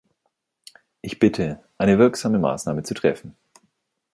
Ich bitte, eine wirksame Maßnahme zu treffen.